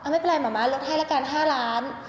ไม่เป็นไรหมอม้าลดให้ละกัน๕ล้าน